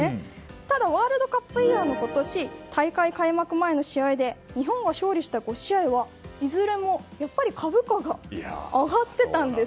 ただワールドカップイヤーの今年開幕前の試合で、日本が勝利した５試合はいずれも株価が上がっていたんです。